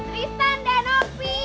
tristan dan opi